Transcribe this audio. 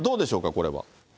これは。